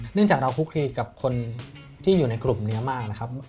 จากเราคุกคลีกับคนที่อยู่ในกลุ่มนี้มากนะครับ